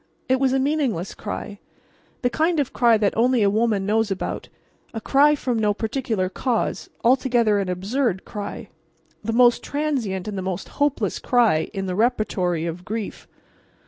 It was a meaningless cry, the kind of cry that only a woman knows about, a cry from no particular cause, altogether an absurd cry; the most transient and the most hopeless cry in the repertory of grief.